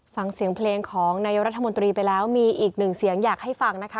ฟังเสียงเพลงของนายรัฐมนตรีไปแล้วมีอีกหนึ่งเสียงอยากให้ฟังนะคะ